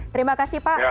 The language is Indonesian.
terima kasih pak